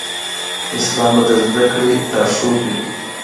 اسلام به د زده کړې لارښود وي.